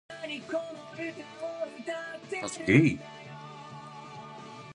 Rudolph was gay.